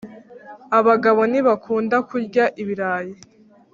Abagabo ntibakunda kurya ibirayi